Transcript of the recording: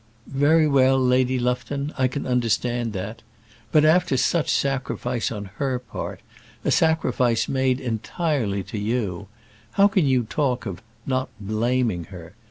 "Very well, Lady Lufton; I can understand that. But after such sacrifice on her part a sacrifice made entirely to you how can you talk of 'not blaming her'?